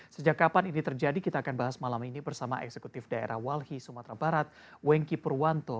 sejak kapan ini terjadi kita akan bahas malam ini bersama eksekutif daerah walhi sumatera barat wengki purwanto